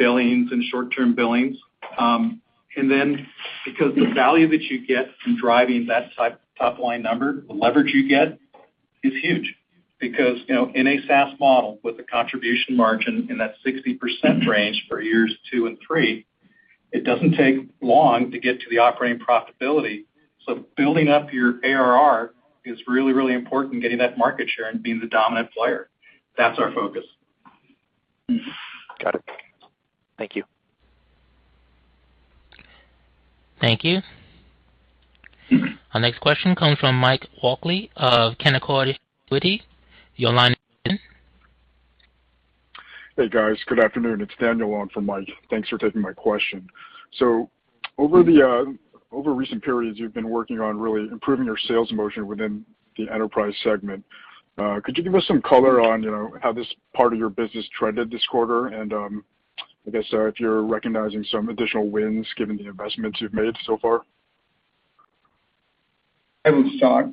billings and short-term billings. Then because the value that you get from driving that type top line number, the leverage you get is huge. Because you know, in a SaaS model with a contribution margin in that 60% range for years two and three, it doesn't take long to get to the operating profitability. Building up your ARR is really, really important in getting that market share and being the dominant player. That's our focus. Got it. Thank you. Thank you. Our next question comes from Mike Walkley of Canaccord Genuity. Your line is open. Hey, guys. Good afternoon. It's Daniel on for Mike. Thanks for taking my question. Over recent periods, you've been working on really improving your sales motion within the enterprise segment. Could you give us some color on, you know, how this part of your business trended this quarter? I guess if you're recognizing some additional wins given the investments you've made so far. I will start.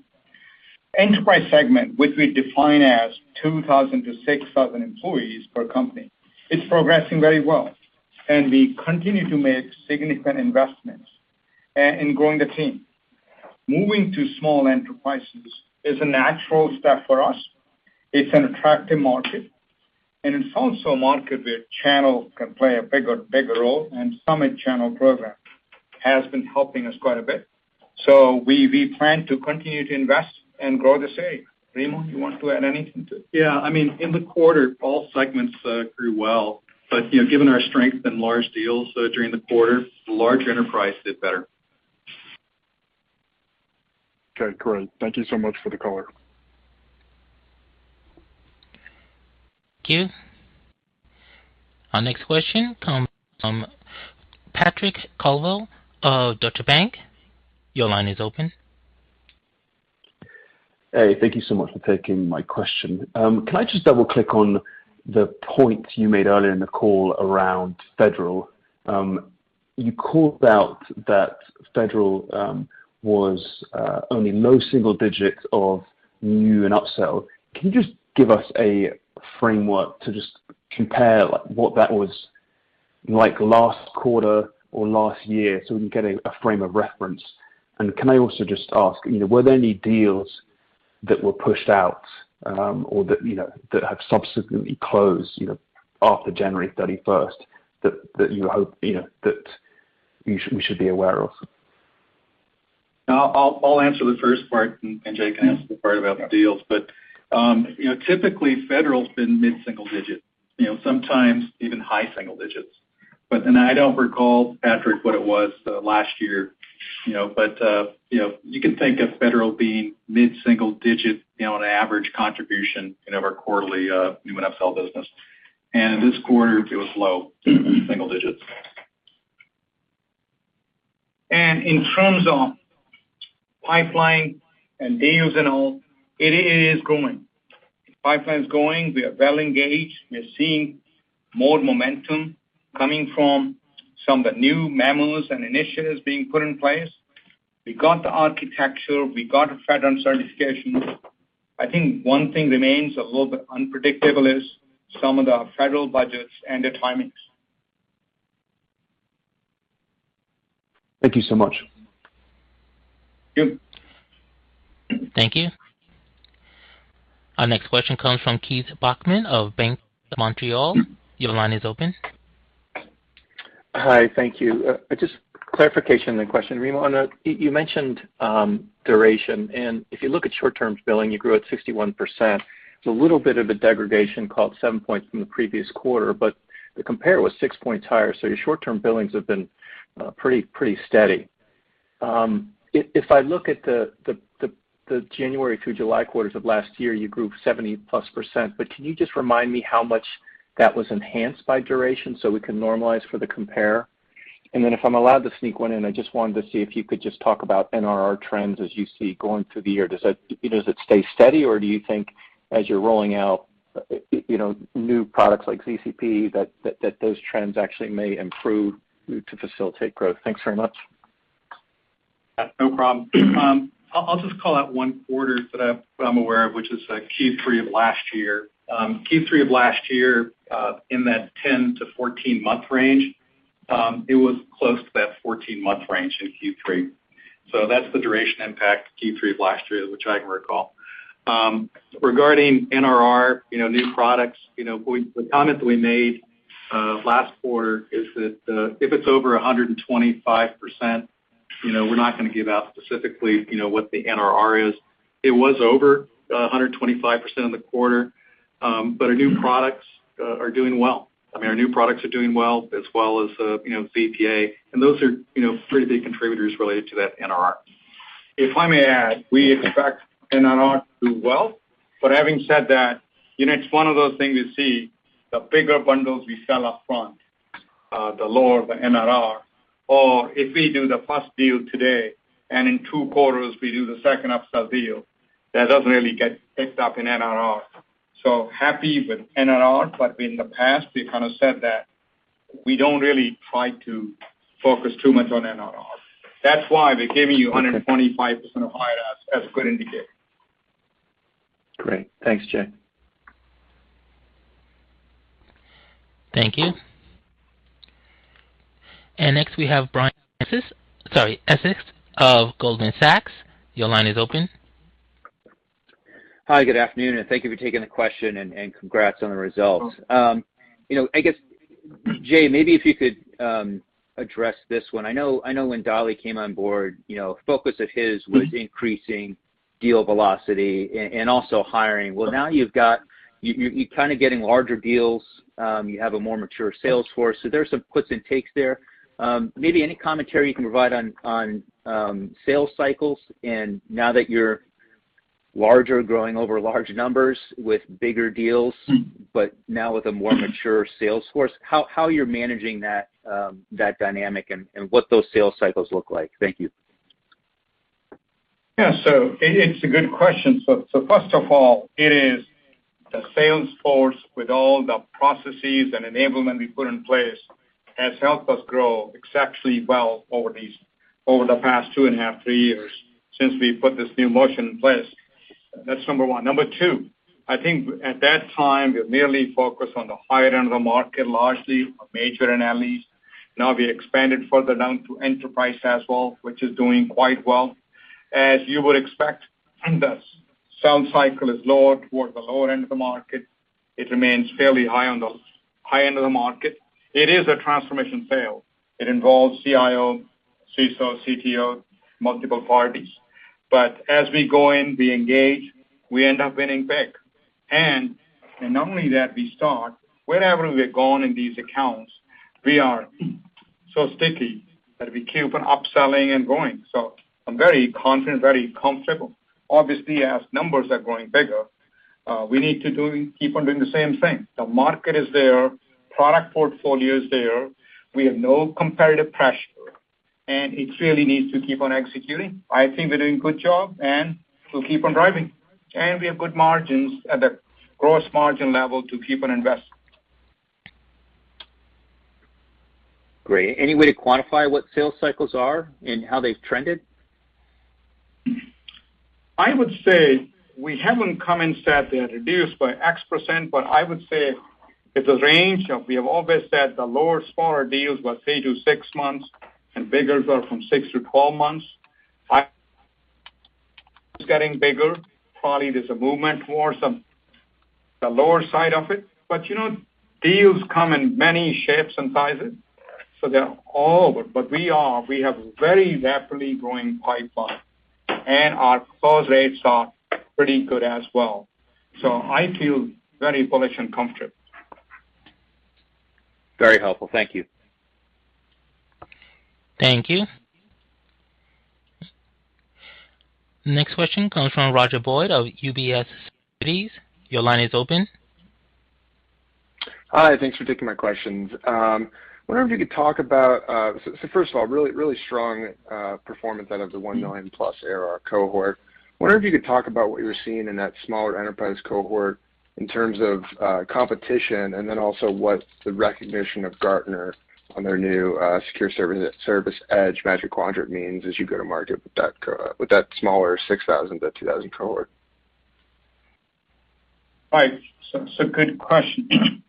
Enterprise segment, which we define as 2,000-6,000 employees per company, it's progressing very well, and we continue to make significant investments in growing the team. Moving to small enterprises is a natural step for us. It's an attractive market, and it's also a market where channel can play a bigger role, and Summit channel program has been helping us quite a bit. We plan to continue to invest and grow the same. Remo, you want to add anything to it? Yeah. I mean, in the quarter, all segments grew well. You know, given our strength in large deals, during the quarter, large enterprise did better. Okay, great. Thank you so much for the color. Thank you. Our next question comes from Patrick Colville of Deutsche Bank. Your line is open. Hey, thank you so much for taking my question. Can I just double-click on the point you made earlier in the call around federal? You called out that federal was only low single digits of new and upsell. Can you just give us a framework to just compare, like, what that was like last quarter or last year so we can get a frame of reference? Can I also just ask, you know, were there any deals that were pushed out, or that, you know, that have subsequently closed, you know, after January 31st that you hope we should be aware of? I'll answer the first part, and Jay can answer the part about the deals. You know, typically federal's been mid-single digit, you know, sometimes even high single digits. I don't recall, Patrick, what it was last year, you know. You know, you can think of federal being mid-single digit, you know, on average contribution in our quarterly new and upsell business. This quarter it was low single digits. In terms of pipeline and deals and all, it is growing. Pipeline's growing. We are well engaged. We're seeing more momentum coming from some of the new memos and initiatives being put in place. We got the architecture, we got the federal certifications. I think one thing remains a little bit unpredictable is some of the federal budgets and the timings. Thank you so much. Thank you. Thank you. Our next question comes from Keith Bachman of Bank of Montreal. Your line is open. Hi. Thank you. Just clarification then question. Remo, you mentioned duration, and if you look at short-term billing, you grew at 61%. It's a little bit of a degradation, down seven points from the previous quarter, but the compare was six points higher. Your short-term billings have been pretty steady. If I look at the January through July quarters of last year, you grew 70%+, but can you just remind me how much that was enhanced by duration so we can normalize for the compare? Then if I'm allowed to sneak one in, I just wanted to see if you could just talk about NRR trends as you see going through the year. You know, does it stay steady, or do you think as you're rolling out, you know, new products like ZCP, that those trends actually may improve to facilitate growth? Thanks very much. That's no problem. I'll just call out one quarter that I'm aware of, which is Q3 of last year. Q3 of last year, in that 10-14-month range, it was close to that 14-month range in Q3. That's the duration impact Q3 of last year, which I can recall. Regarding NRR, you know, new products, you know, the comment that we made last quarter is that if it's over 125%, you know, we're not gonna give out specifically, you know, what the NRR is. It was over 125% in the quarter. Our new products are doing well. I mean, our new products are doing well, as well as, you know, ZIA. Those are, you know, pretty big contributors related to that NRR. If I may add, we expect NRR to do well, but having said that, you know, it's one of those things you see the bigger bundles we sell up front, the lower the NRR. Or if we do the first deal today and in two quarters we do the second upsell deal, that doesn't really get picked up in NRR. Happy with NRR, but in the past we kind of said that we don't really try to focus too much on NRR. That's why we're giving you 125% or higher as a good indicator. Great. Thanks, Jay. Thank you. Next we have Brian Essex. Sorry, Essex of Goldman Sachs. Your line is open. Hi, good afternoon, and thank you for taking the question and congrats on the results. You know, I guess, Jay, maybe if you could address this one. I know when Dali came on board, you know, focus of his was increasing deal velocity and also hiring. Well, now you've got you kinda getting larger deals. You have a more mature sales force. There's some puts and takes there. Maybe any commentary you can provide on sales cycles and now that you're larger, growing over large numbers with bigger deals. Mm. Now with a more mature sales force, how you're managing that dynamic and what those sales cycles look like? Thank you. Yeah. It, it's a good question. First of all, it is the sales force with all the processes and enablement we put in place has helped us grow exceptionally well over the past 2.5-three years since we put this new motion in place. That's number one. Number two, I think at that time, we merely focused on the higher end of the market, largely our major analysts. Now we expanded further down to enterprise as well, which is doing quite well. As you would expect, the sales cycle is lower toward the lower end of the market. It remains fairly high on the high end of the market. It is a transformation sale. It involves CIO, CISO, CTO, multiple parties. As we go in, we engage, we end up winning big. Not only that, we start wherever we're going in these accounts. We are so sticky that we keep on upselling and growing. I'm very confident, very comfortable. Obviously, as numbers are growing bigger, we need to keep on doing the same thing. The market is there, product portfolio is there. We have no competitive pressure, and it really needs to keep on executing. I think we're doing a good job, and we'll keep on driving. We have good margins at the gross margin level to keep on investing. Great. Any way to quantify what sales cycles are and how they've trended? I would say we haven't come and said they're reduced by X%, but I would say it's a range of, we have always said the lower smaller deals were three-six months, and biggers are from six-12 months. It's getting bigger. Probably there's a movement more to the lower side of it. You know, deals come in many shapes and sizes, so they're all over. We have very rapidly growing pipeline, and our close rates are pretty good as well. I feel very bullish and comfortable. Very helpful. Thank you. Thank you. Next question comes from Roger Boyd of UBS. Your line is open. Hi, thanks for taking my questions. Wonder if you could talk about, so first of all, really, really strong performance out of the 1 million-plus ARR cohort. Wondering if you could talk about what you're seeing in that smaller enterprise cohort in terms of competition, and then also what the recognition of Gartner on their new secure service edge Magic Quadrant means as you go to market with that smaller 6,000 to 2,000 cohort. Right. Good question.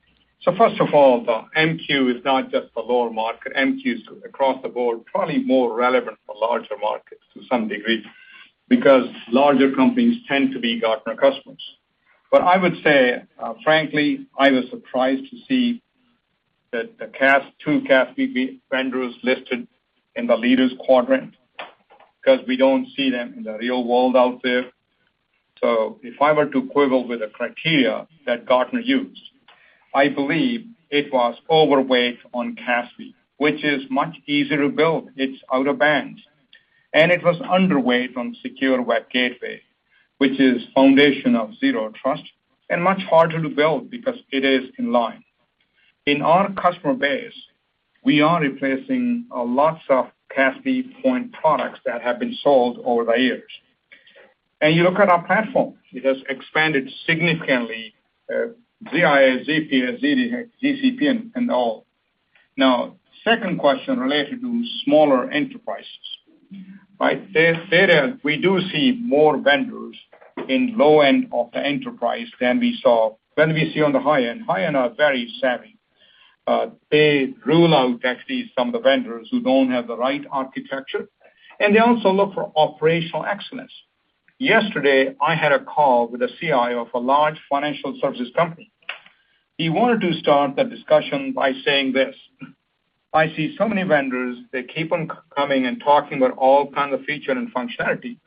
First of all, the MQ is not just the lower market. MQ is across the board, probably more relevant for larger markets to some degree, because larger companies tend to be Gartner customers. I would say, frankly, I was surprised to see that the CASB, two CASB vendors listed in the leaders quadrant, 'cause we don't see them in the real world out there. If I were to quibble with the criteria that Gartner used, I believe it was overweight on CASB, which is much easier to build, it's out-of-band. It was underweight on secure web gateway, which is foundation of Zero Trust and much harder to build because it is in line. In our customer base, we are replacing lots of CASB point products that have been sold over the years. You look at our platform, it has expanded significantly, ZIA, ZPA, ZDX, ZCP and all. Now, second question related to smaller enterprises, right? There, we do see more vendors in low end of the enterprise than we see on the high end. High end are very savvy. They rule out actually some of the vendors who don't have the right architecture, and they also look for operational excellence. Yesterday, I had a call with a CIO of a large financial services company. He wanted to start the discussion by saying this. I see so many vendors, they keep on coming and talking about all kinds of feature and functionality.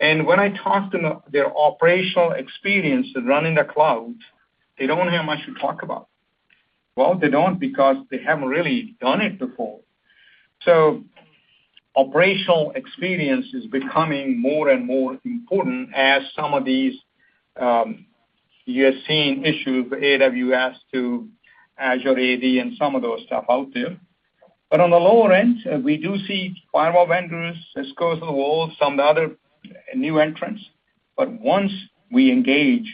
When I talk to them their operational experience in running the cloud, they don't have much to talk about. Well, they don't because they haven't really done it before. Operational experience is becoming more and more important as some of these, you're seeing issues, AWS to Azure AD and some of those stuff out there. On the lower end, we do see firewall vendors, Cisco's of the world, some of the other new entrants. Once we engage,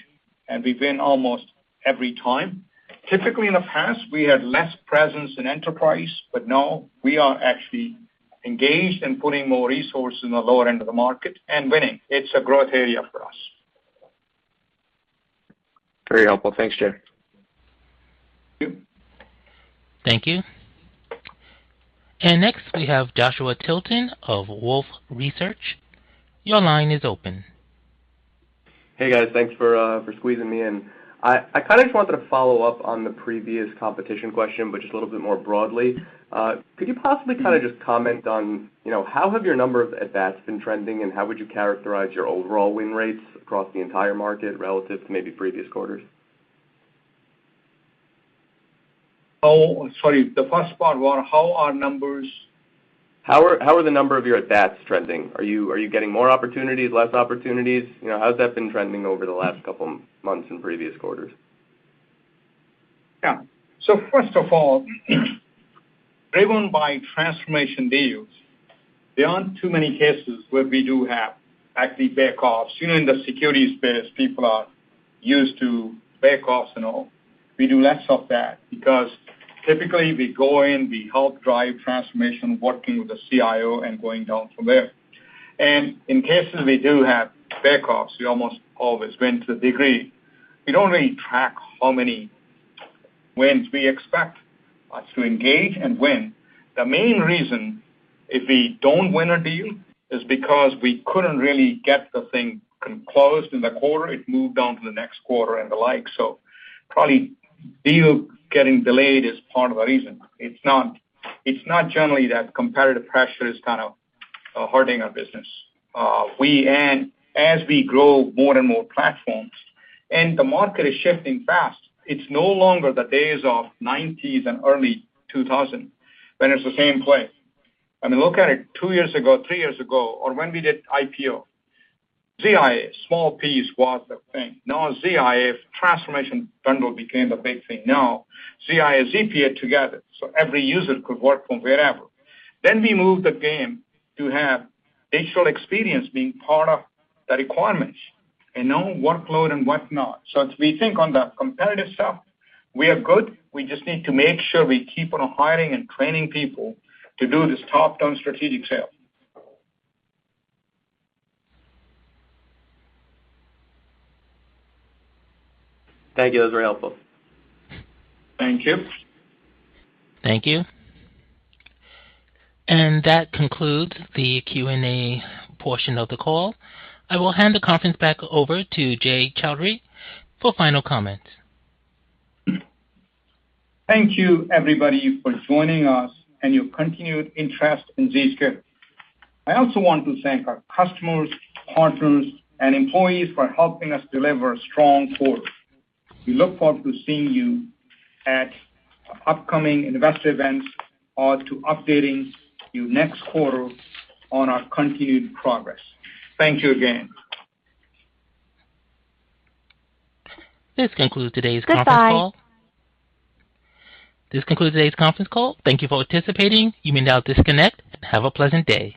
and we win almost every time. Typically in the past, we had less presence in enterprise. Now we are actually engaged in putting more resources in the lower end of the market and winning. It's a growth area for us. Very helpful. Thanks, Jay. Thank you. Thank you. Next, we have Joshua Tilton of Wolfe Research. Your line is open. Hey, guys. Thanks for squeezing me in. I kind of just wanted to follow up on the previous competition question, but just a little bit more broadly. Could you possibly kind of just comment on, you know, how have your number of at-bats been trending, and how would you characterize your overall win rates across the entire market relative to maybe previous quarters? Oh, sorry. The first part was how are numbers? How are the number of your at-bats trending? Are you getting more opportunities, less opportunities? You know, how has that been trending over the last couple months and previous quarters? Yeah. First of all, driven by transformation deals, there aren't too many cases where we do have actually bare costs. Even in the security space, people are used to bare costs and all. We do less of that because typically we go in, we help drive transformation, working with the CIO and going down from there. In cases we do have bare costs, we almost always win to a degree. We don't really track how many wins we expect to engage and win. The main reason if we don't win a deal is because we couldn't really get the thing closed in the quarter. It moved on to the next quarter and the like. Probably deal getting delayed is part of the reason. It's not generally that competitive pressure is kind of hurting our business. As we grow more and more platforms and the market is shifting fast, it's no longer the days of 1990s and early 2000s when it's the same play. I mean, look at it two years ago, three years ago or when we did IPO. ZIA SMBs was the thing. Now ZIA's transformation bundle became the big thing. Now ZIA, ZPA together, so every user could work from wherever. Then we moved the game to have digital experience being part of the requirements and now workload and whatnot. As we think on the competitive stuff, we are good. We just need to make sure we keep on hiring and training people to do this top-down strategic sale. Thank you. That was very helpful. Thank you. Thank you. That concludes the Q&A portion of the call. I will hand the conference back over to Jay Chaudhry for final comments. Thank you everybody for joining us and your continued interest in Zscaler. I also want to thank our customers, partners, and employees for helping us deliver a strong quarter. We look forward to seeing you at upcoming investor events or to updating you next quarter on our continued progress. Thank you again. This concludes today's conference call. This concludes today's conference call. Thank you for participating. You may now disconnect. Have a pleasant day.